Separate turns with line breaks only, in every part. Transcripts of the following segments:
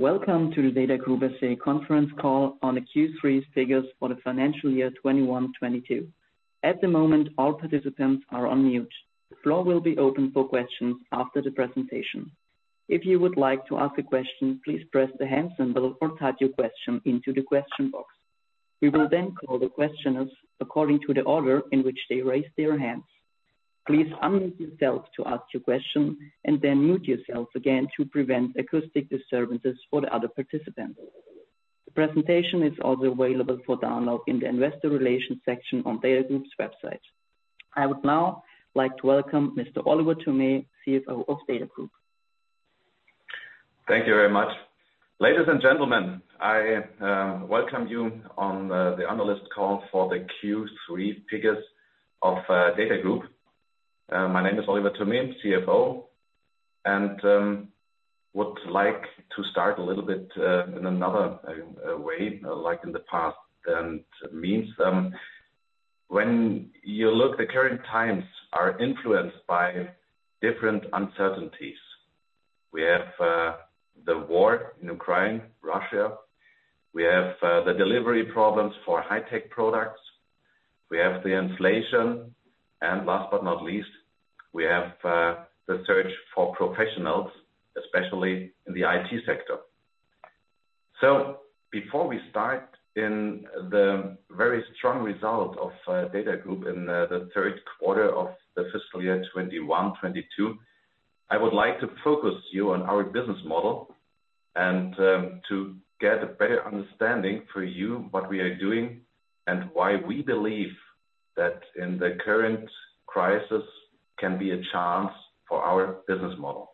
Welcome to the DATAGROUP SE conference call on the Q3 figures for the financial year 2021-2022. At the moment, all participants are on mute. The floor will be open for questions after the presentation. If you would like to ask a question, please press the hand symbol or type your question into the question box. We will then call the questioners according to the order in which they raised their hands. Please unmute yourself to ask your question and then mute yourself again to prevent acoustic disturbances for the other participants. The presentation is also available for download in the Investor Relations section on DATAGROUP's website. I would now like to welcome Mr. Oliver Thome, CFO of DATAGROUP SE.
Thank you very much. Ladies and gentlemen, I welcome you on the analyst call for the Q3 figures of DATAGROUP. My name is Oliver Thome, CFO, and would like to start a little bit in another way, like in the past and means. When you look, the current times are influenced by different uncertainties. We have the war in Ukraine, Russia. We have the delivery problems for high-tech products. We have the inflation. Last but not least, we have the search for professionals, especially in the IT sector. Before we start in the very strong result of DATAGROUP in the third quarter of the fiscal year 2021-2022, I would like to focus you on our business model and to get a better understanding for you what we are doing and why we believe that in the current crisis can be a chance for our business model.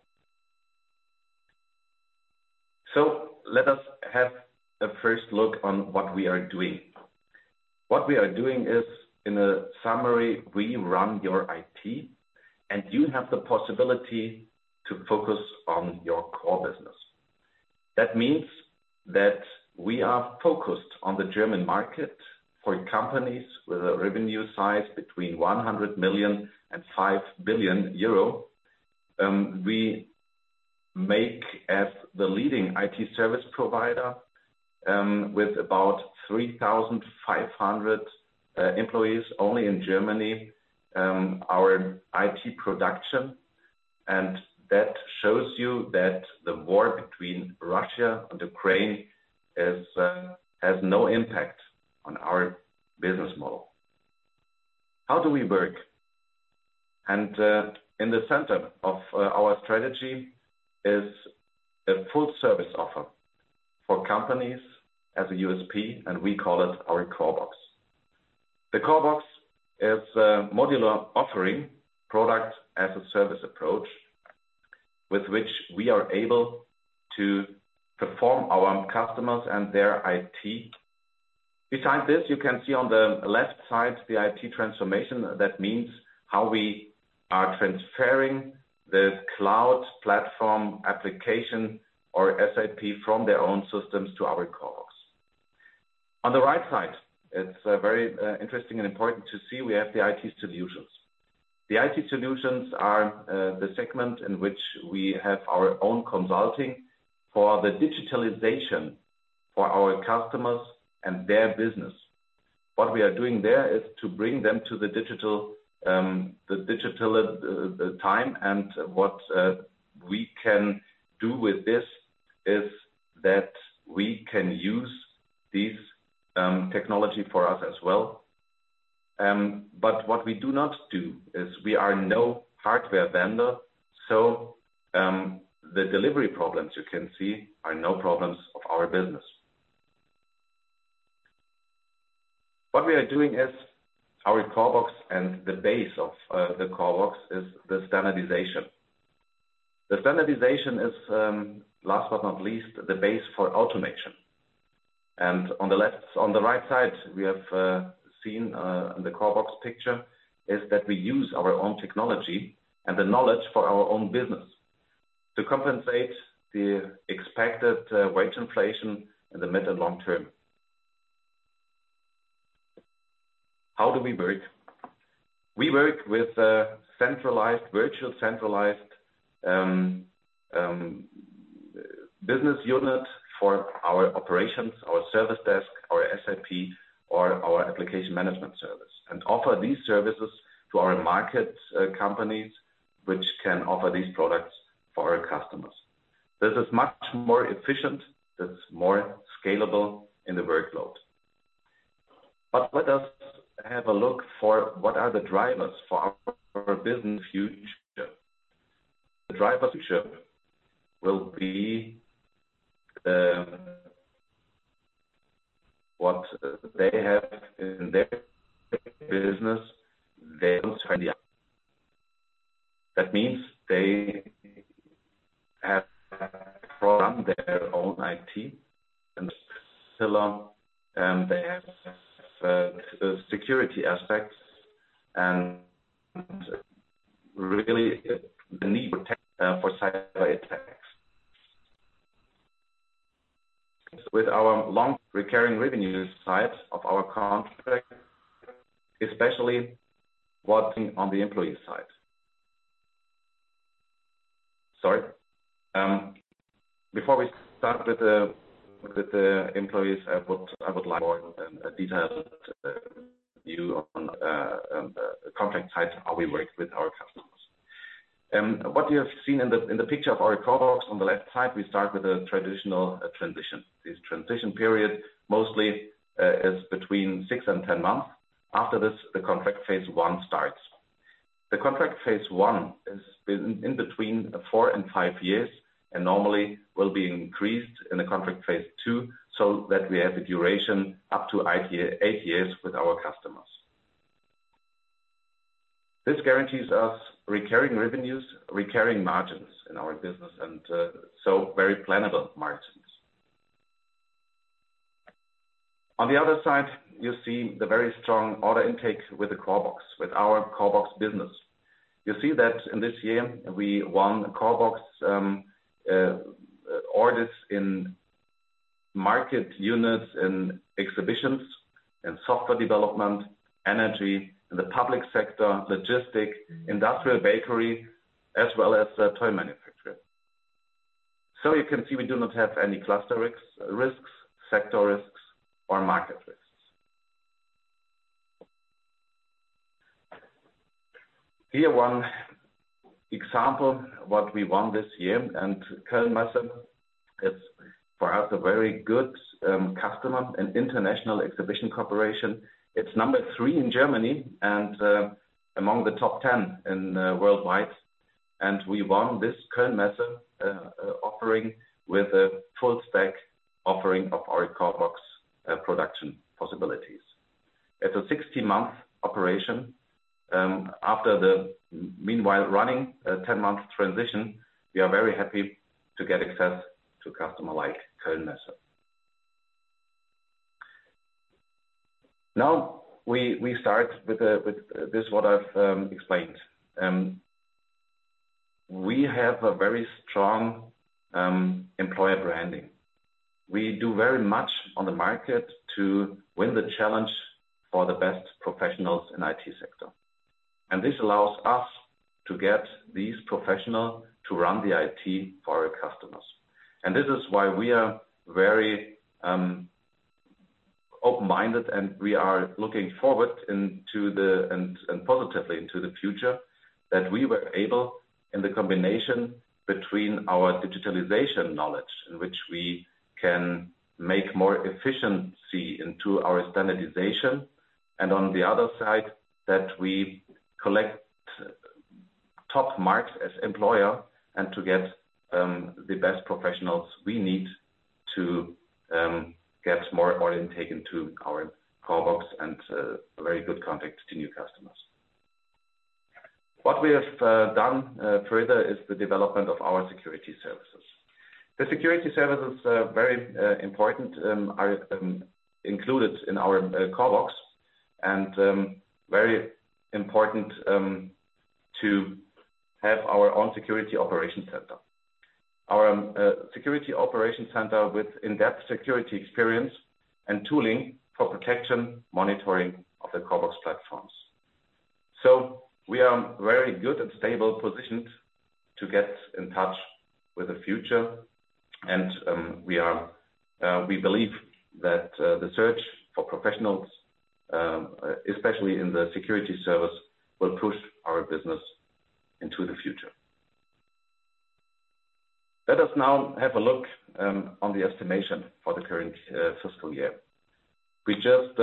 Let us have a first look on what we are doing. What we are doing is, in a summary, we run your IT, and you have the possibility to focus on your core business. That means that we are focused on the German market for companies with a revenue size between 100 million and 5 billion euro. We rank as the leading IT service provider with about 3,500 employees only in Germany our IT production. That shows you that the war between Russia and Ukraine is has no impact on our business model. How do we work? In the center of our strategy is a full service offer for companies as a USP, and we call it our CORBOX. The CORBOX is a modular offering product as a service approach with which we are able to perform our customers and their IT. Besides this, you can see on the left side the IT transformation. That means how we are transferring the cloud platform application or SAP from their own systems to our CORBOX. On the right side, it's very interesting and important to see we have the IT solutions. The IT solutions are the segment in which we have our own consulting for the digitalization for our customers and their business. What we are doing there is to bring them to the digital time, and what we can do with this is that we can use these technology for us as well. What we do not do is we are no hardware vendor, so the delivery problems you can see are no problems of our business. What we are doing is our CORBOX and the base of the CORBOX is the standardization. The standardization is last but not least the base for automation. On the right side, we have seen in the CORBOX picture is that we use our own technology and the knowledge for our own business to compensate the expected wage inflation in the mid and long term. How do we work? We work with a centralized, virtual business unit for our operations, our service desk, our SAP, or our application management service, and offer these services to our market companies which can offer these products for our customers. This is much more efficient. It's more scalable in the workload. Let us have a look for what are the drivers for our business future. The driver future will be what they have in their business, they will try. That means they have run their own IT and still they have security aspects and really the need for cyber attacks. With our long recurring revenue side of our contract, especially working on the employee side. Before we start with the employees, I would like more details of the view on contract types, how we work with our customers. What you have seen in the picture of our CORBOX on the left side, we start with a traditional transition. This transition period mostly is between 6 months-10 months. After this, the contract phase one starts. The contract phase one is between 4 years-5 years, and normally will be increased in the contract phase two, so that we have the duration up to 8 years with our customers. This guarantees us recurring revenues, recurring margins in our business, and so very plannable margins. On the other side, you see the very strong order intake with the CORBOX, with our CORBOX business. You see that in this year, we won CORBOX orders in market units and exhibitions and software development, energy, the public sector, logistics, industrial bakery, as well as, toy manufacturer. You can see we do not have any cluster risks, sector risks, or market risks. Here one example what we won this year, and Koelnmesse is, for us, a very good customer and international exhibition corporation. It's number three in Germany and, among the top ten in, worldwide. We won this Koelnmesse offering with a full stack offering of our CORBOX production possibilities. It's a 60-month operation, after the meanwhile running a 10-month transition, we are very happy to get access to customer like Koelnmesse. Now we start with this what I've explained. We have a very strong employer branding. We do very much on the market to win the challenge for the best professionals in IT sector. This allows us to get these professionals to run the IT for our customers. This is why we are very open-minded, and we are looking forward positively to the future that we were able in the combination between our digitalization knowledge, in which we can make more efficiency into our standardization, and on the other side, that we collect top marks as employer and to get the best professionals we need to get more order intake into our CORBOX and very good contacts to new customers. What we have done further is the development of our security services. The security services are very important, are included in our CORBOX and very important to have our own Security Operations Center. Our Security Operations Center with in-depth security experience and tooling for protection, monitoring of the CORBOX platforms. We are very good and stable positioned to get in touch with the future, and we believe that the shortage for professionals especially in the security service will push our business into the future. Let us now have a look at the estimation for the current fiscal year. We just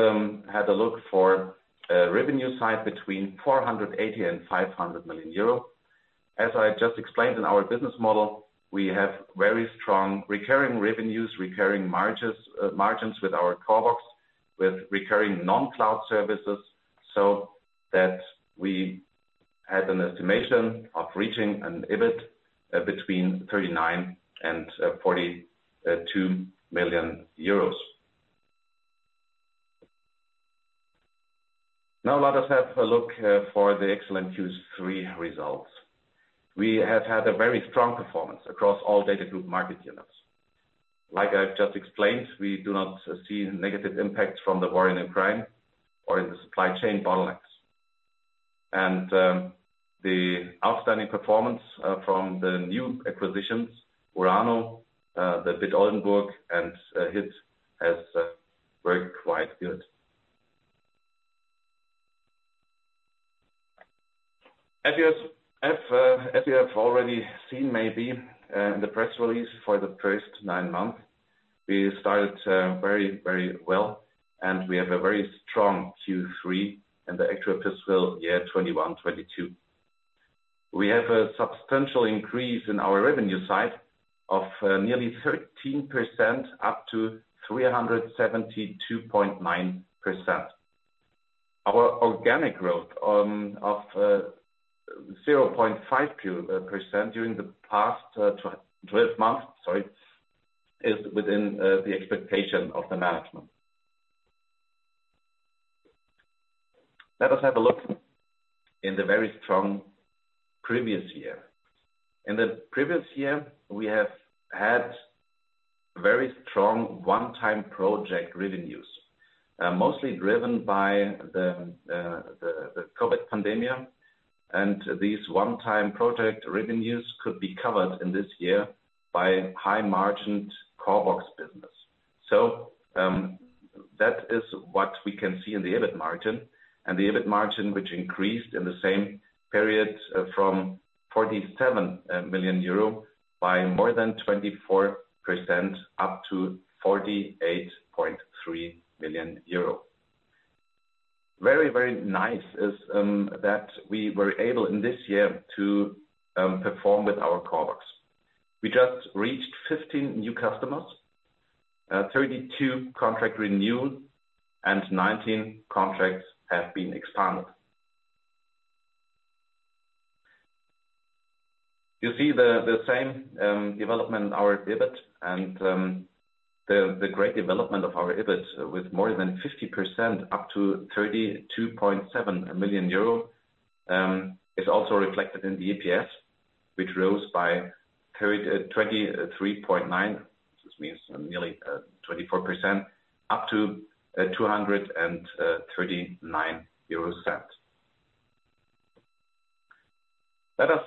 had a look at the revenue side between 480 million and 500 million euro. As I just explained in our business model, we have very strong recurring revenues, recurring margins with our CORBOX, with recurring non-cloud services, so that we had an estimation of reaching an EBIT between 39 million and 42 million euros. Now let us have a look at the excellent Q3 results. We have had a very strong performance across all DATAGROUP market units. Like I just explained, we do not see negative impacts from the war in Ukraine or in the supply chain bottlenecks. The outstanding performance from the new acquisitions, URANO, BIT Oldenburg, and HIT has worked quite good. As you have already seen maybe in the press release for the first nine months, we started very well, and we have a very strong Q3 in the actual fiscal year 2021-2022. We have a substantial increase in our revenue side of nearly 13% up to 372.9 million. Our organic growth of 0.5% during the past twelve months, sorry, is within the expectation of the management. Let us have a look in the very strong previous year. In the previous year, we had very strong one-time project revenues, mostly driven by the COVID pandemic and these one-time project revenues could be covered in this year by high margined CORBOX business. That is what we can see in the EBIT margin. The EBIT margin which increased in the same period from 47 million euro by more than 24% up to 48.3 million euro. Very, very nice is that we were able in this year to perform with our CORBOX. We just reached 15 new customers, 32 contracts renewed and 19 contracts have been expanded. You see the same development in our EBIT and the great development of our EBIT with more than 50% up to 32.7 million euro is also reflected in the EPS, which rose by 23.9. This means nearly 24% up to EUR 2.39. Let us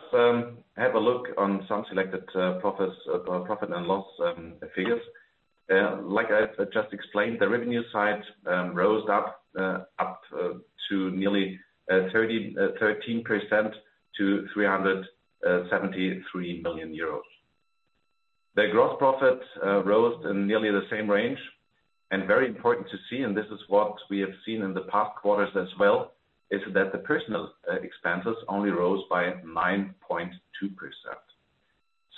have a look on some selected profit and loss figures. Like I just explained, the revenue side rose by nearly 13% to 373 million euros. The gross profit rose in nearly the same range. Very important to see, and this is what we have seen in the past quarters as well, is that the personnel expenses only rose by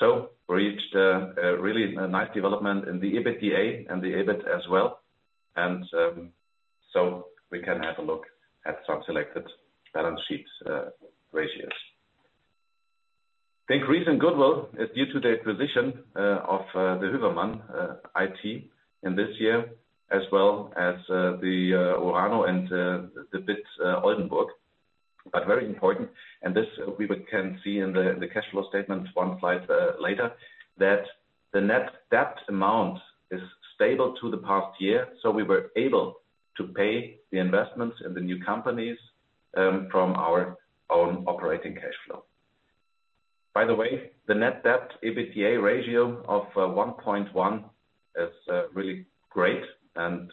9.2%. Reached a really nice development in the EBITDA and the EBIT as well. We can have a look at some selected balance sheet ratios. The increase in goodwill is due to the acquisition of the Hövermann IT in this year, as well as the URANO and the BIT Oldenburg. Very important, and this we can see in the cash flow statement one slide later, that the net debt amount is stable to the past year, so we were able to pay the investments in the new companies from our own operating cash flow. By the way, the net debt EBITDA ratio of 1.1 is really great and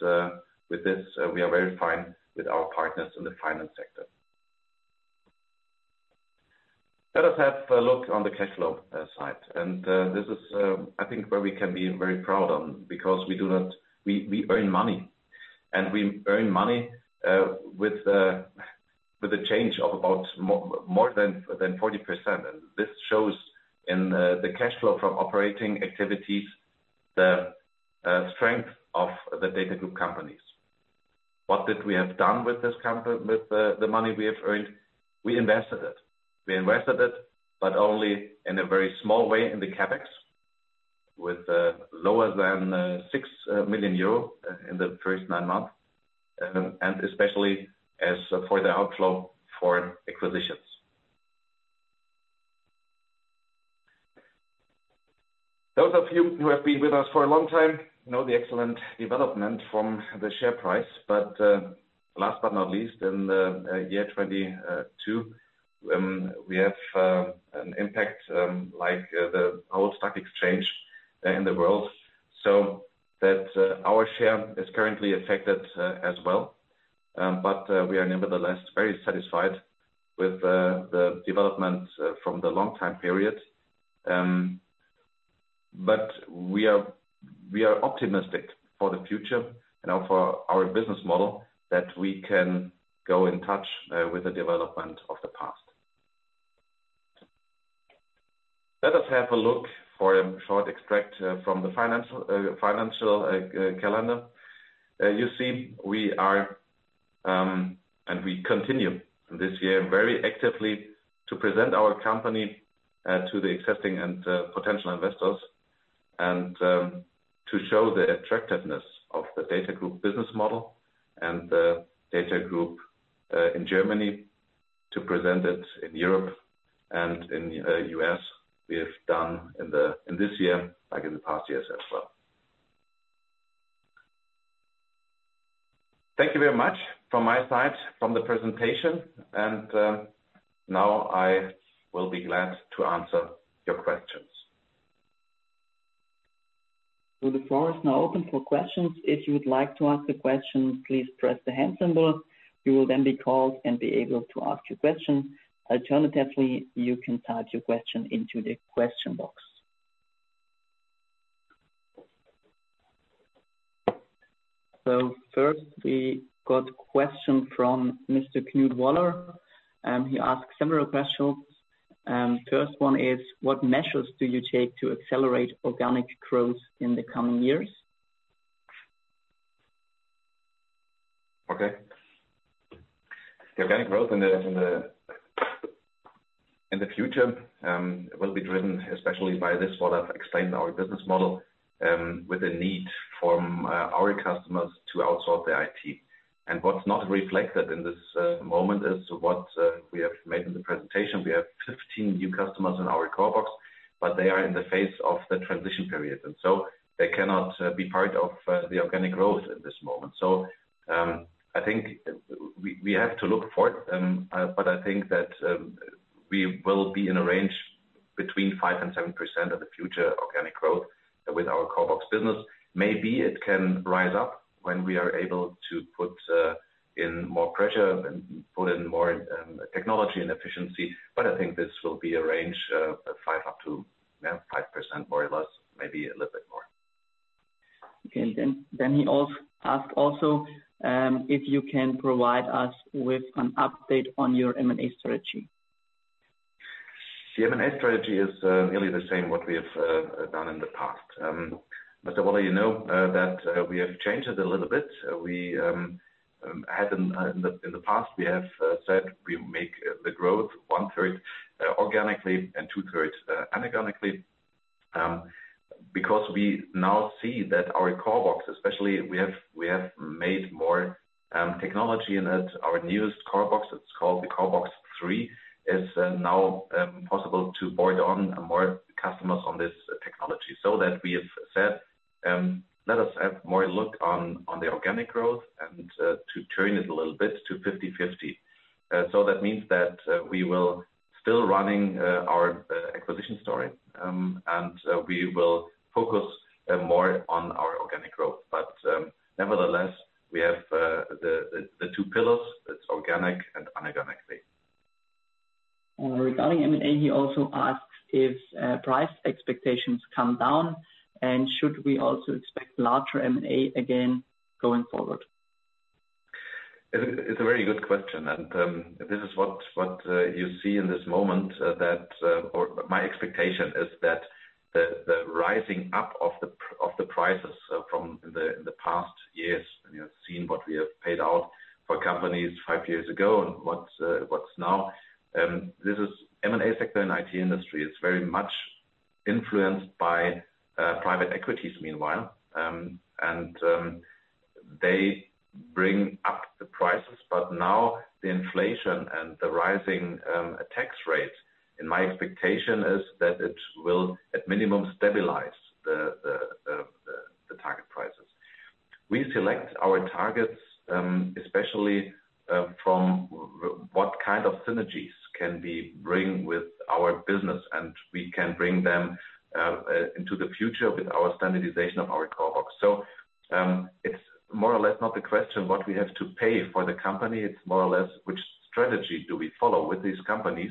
with this we are very fine with our partners in the finance sector. Let us have a look on the cash flow side. This is, I think, where we can be very proud on because we earn money with a change of about more than 40%. This shows in the cash flow from operating activities the strength of the DATAGROUP companies. What did we have done with this company with the money we have earned? We invested it, but only in a very small way in the CapEx with lower than 6 million euro in the first nine months, and especially as for the outflow for acquisitions. Those of you who have been with us for a long time know the excellent development from the share price. Last but not least, in the year 2022, we have an impact like the whole stock exchange in the world, so that our share is currently affected as well. We are nevertheless very satisfied with the development from the long time period. We are optimistic for the future and for our business model that we can keep pace with the development of the past. Let us have a look at a short extract from the financial calendar. You see, we continue this year very actively to present our company to the existing and potential investors and to show the attractiveness of the DATAGROUP business model and the DATAGROUP in Germany to present it in Europe and in the U.S. we have done in this year, like in the past years as well. Thank you very much from my side for the presentation and now I will be glad to answer your questions.
The floor is now open for questions. If you would like to ask a question, please press the hand symbol. You will then be called and be able to ask your question. Alternatively, you can type your question into the question box. First, we got a question from Mr. Knut Woller, and he asks several questions. First one is: What measures do you take to accelerate organic growth in the coming years?
Okay. The organic growth in the future will be driven especially by this what I've explained our business model with the need from our customers to outsource their IT. What's not reflected in this moment is what we have made in the presentation. We have 15 new customers in our CORBOX, but they are in the phase of the transition period, and so they cannot be part of the organic growth at this moment. I think we have to look for it. I think that we will be in a range between 5% and 7% of the future organic growth with our CORBOX business. Maybe it can rise up when we are able to put in more pressure and put in more technology and efficiency. I think this will be a range of 5% up to, yeah, 5%, more or less, maybe a little bit more.
He also asked if you can provide us with an update on your M&A strategy.
The M&A strategy is really the same what we have done in the past. Mr. Woller, you know that we have changed it a little bit. We have said we make the growth one-third organically and two-thirds inorganically. Because we now see that our CORBOX, especially we have made more technology, and as our newest CORBOX, it's called the CORBOX 3, is now possible to onboard more customers on this technology. That we have said, "Let us have more look on the organic growth and to turn it a little bit to 50/50." That means that we will still running our acquisition story. We will focus more on our organic growth. Nevertheless, we have the two pillars. It's organic and inorganically.
Regarding M&A, he also asks if price expectations come down, and should we also expect larger M&A again going forward?
It's a very good question, and this is what you see in this moment, that or my expectation is that the rising up of the prices from the past years, and you have seen what we have paid out for companies five years ago and what's now. This is M&A sector and IT industry. It's very much influenced by private equity meanwhile. They bring up the prices, but now the inflation and the rising tax rate, and my expectation is that it will at minimum stabilize the target prices. We select our targets especially from what kind of synergies can we bring with our business, and we can bring them into the future with our standardization of our CORBOX. It's more or less not the question what we have to pay for the company. It's more or less which strategy do we follow with these companies,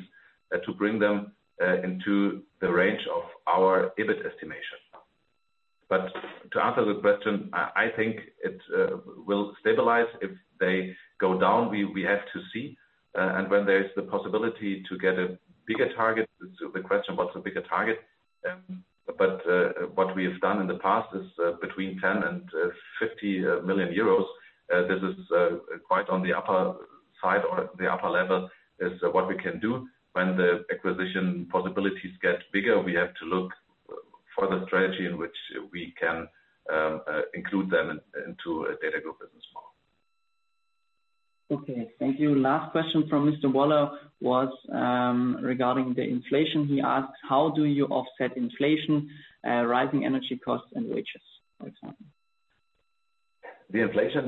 to bring them into the range of our EBIT estimation. To answer the question, I think it will stabilize. If they go down, we have to see. When there is the possibility to get a bigger target, the question, what's a bigger target? What we have done in the past is between 10 million and 50 million euros. This is quite on the upper side or the upper level, is what we can do. When the acquisition possibilities get bigger, we have to look for the strategy in which we can include them into a DATAGROUP business model.
Okay, thank you. Last question from Mr. Woller was regarding the inflation. He asks, "How do you offset inflation, rising energy costs and wages," for example?
The inflation,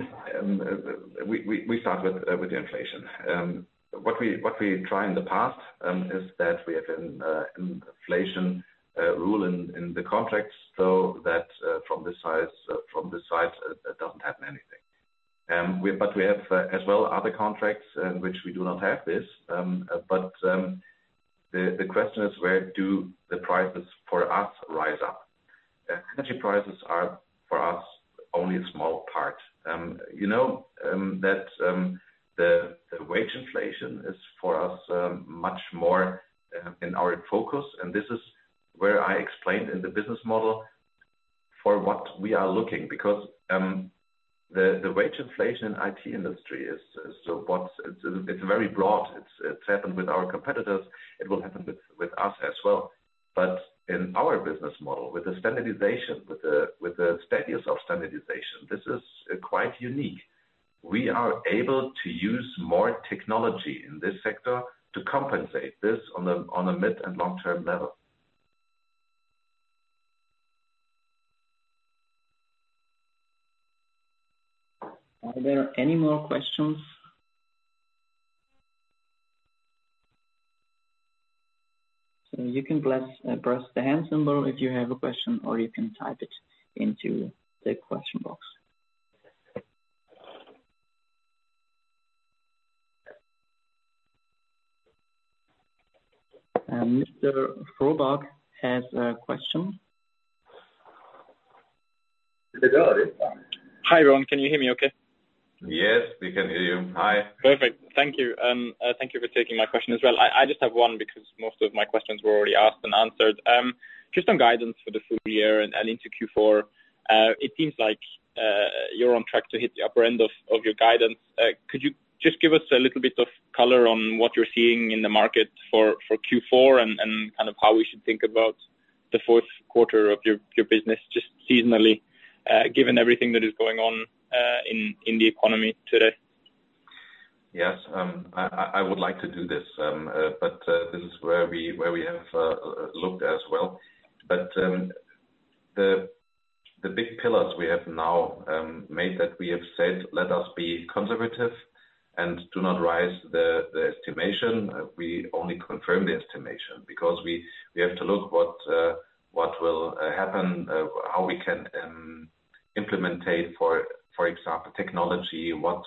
we start with the inflation. What we try in the past is that we have an inflation rule in the contracts, so that from this size doesn't happen anything. We have as well other contracts in which we do not have this. The question is, where do the prices for us rise up? Energy prices are for us only a small part. You know that the wage inflation is for us much more in our focus, and this is where I explained in the business model for what we are looking because the wage inflation in IT industry is what's. It's very broad. It's happened with our competitors. It will happen with us as well. In our business model, with the standardization, with the status of standardization, this is quite unique. We are able to use more technology in this sector to compensate this on a mid- and long-term level.
Are there any more questions? You can press the hand symbol if you have a question, or you can type it into the question box. Mr. Robak has a question.
Hi, Oliver Thome. Can you hear me okay?
Yes, we can hear you. Hi.
Perfect. Thank you. Thank you for taking my question as well. I just have one because most of my questions were already asked and answered. Just some guidance for the full year and into Q4. It seems like, You're on track to hit the upper end of your guidance. Could you just give us a little bit of color on what you're seeing in the market for Q4 and kind of how we should think about the fourth quarter of your business, just seasonally, given everything that is going on in the economy today?
Yes. I would like to do this. This is where we have looked as well. The big pillars we have now made that we have said, "Let us be conservative and do not raise the estimation." We only confirm the estimation because we have to look what will happen, how we can implement for example technology, what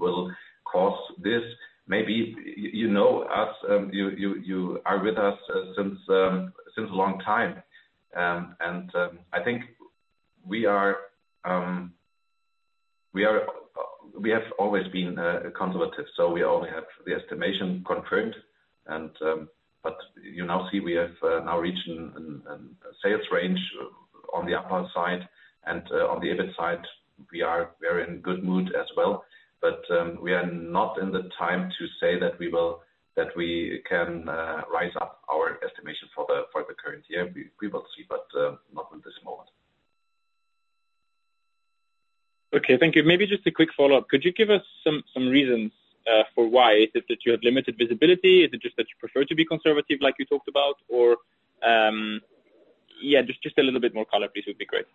will cause this. Maybe you know us. You are with us since a long time. I think we are. We have always been conservative, so we only have the estimation confirmed. You now see we have now reached a sales range on the upper side and on the EBIT side, we are in good mood as well. We are not in the time to say that we can rise up our estimation for the current year. We will see, but not at this moment.
Okay. Thank you. Maybe just a quick follow-up. Could you give us some reasons for why? Is it that you have limited visibility? Is it just that you prefer to be conservative, like you talked about? Or, yeah. Just a little bit more color, please, would be great.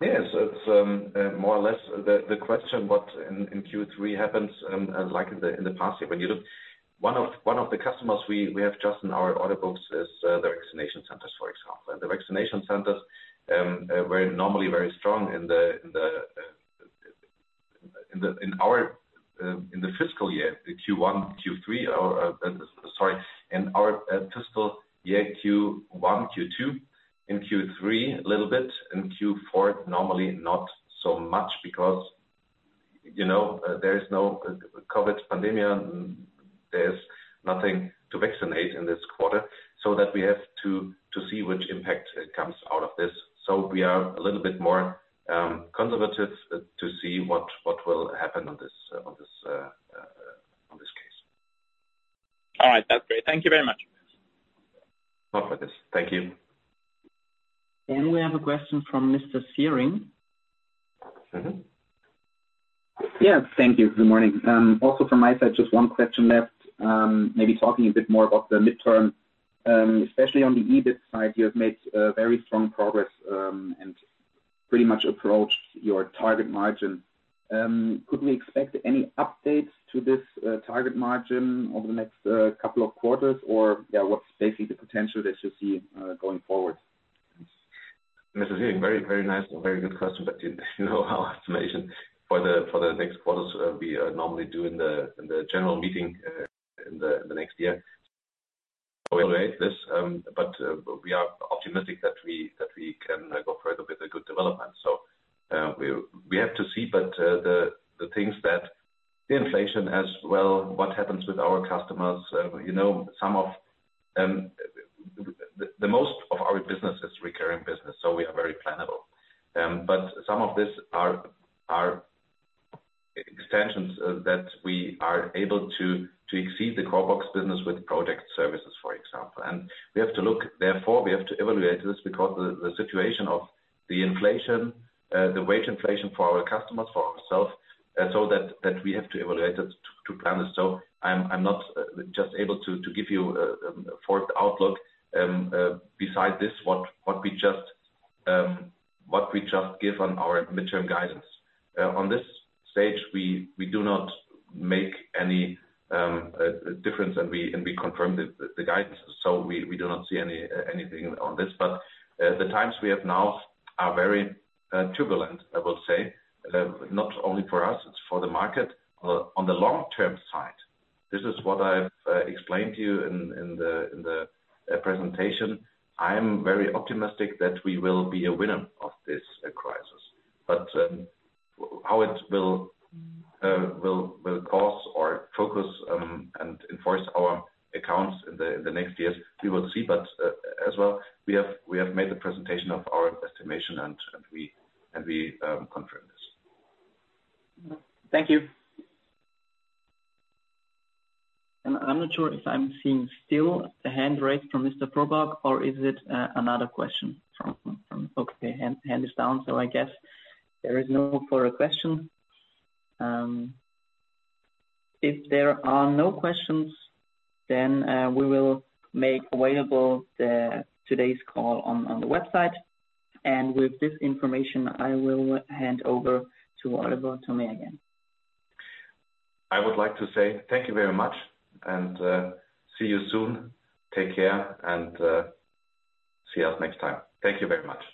Yes. It's more or less the question what in Q3 happens, like in the past here. When you look, one of the customers we have just in our order books is the vaccination centers, for example. The vaccination centers were normally very strong in the fiscal year, the Q1, Q2, and Q3, a little bit, and Q4, normally not so much because, you know, there is no COVID pandemic. There's nothing to vaccinate in this quarter, so that we have to see which impact comes out of this. We are a little bit more conservative to see what will happen on this case.
All right. That's great. Thank you very much.
No problem. Thank you.
We have a question from Mr. Sehring.
Mm-hmm.
Yeah. Thank you. Good morning. Also from my side, just one question left. Maybe talking a bit more about the midterm, especially on the EBIT side, you have made very strong progress, and pretty much approached your target margin. Could we expect any updates to this target margin over the next couple of quarters? Or, yeah, what's basically the potential that you see going forward?
Mr. Sehring, very nice and very good question. You know our estimation for the next quarters, we normally do in the general meeting in the next year. We evaluate this, we are optimistic that we can go further with a good development. We have to see, but the things that the inflation as well, what happens with our customers, you know. Most of our business is recurring business, so we are very plannable. But some of this are extensions that we are able to exceed the CORBOX business with project services, for example. We have to look, therefore, we have to evaluate this because the situation of the inflation, the wage inflation for our customers, for ourselves, so that we have to evaluate it to plan this. I'm not just able to give you forward outlook. Besides this, what we just give on our mid-term guidance. At this stage, we do not make any difference and we confirm the guidance. We do not see anything on this. The times we have now are very turbulent, I will say. Not only for us, it's for the market. On the long-term side, this is what I've explained to you in the presentation. I'm very optimistic that we will be a winner of this crisis. How it will cost or focus and enforce our accounts in the next years, we will see. As well, we have made the presentation of our estimation and we confirm this.
Thank you.
I'm not sure if I'm seeing still a hand raised from Mr. Robak, or is it another question from. Okay. Hand is down, so I guess there is no further question. If there are no questions, then we will make available today's call on the website. With this information, I will hand over to Oliver Thome again.
I would like to say thank you very much and see you soon. Take care, and see us next time. Thank you very much.